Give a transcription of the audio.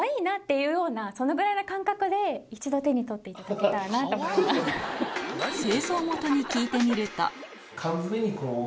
いうようなそのぐらいの感覚で一度手に取っていただけたらなと思います。